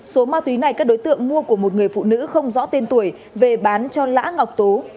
số ma túy này các đối tượng mua của một người phụ nữ không rõ tên tuổi về bán cho lã ngọc tú